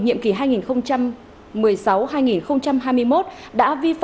nhiệm kỳ hai nghìn một mươi sáu hai nghìn hai mươi một